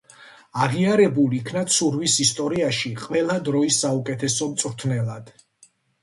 აღიარებულ იქნა ცურვის ისტორიაში ყველა დროის საუკეთესო მწვრთნელად.